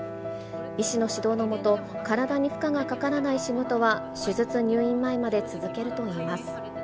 医師の指導の下、体に負荷がかからない仕事は手術入院前まで続けるといいます。